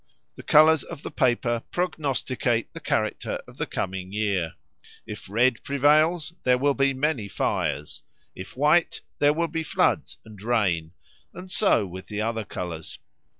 The colours of the paper prognosticate the character of the coming year; if red prevails, there will be many fires; if white, there will be floods and rain; and so with the other colours.